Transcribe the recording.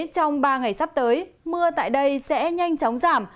trong ba ngày sắp tới mưa tại đây sẽ nhanh chóng giảm